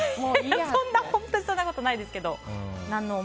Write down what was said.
そんな本当にそんなことないですけど。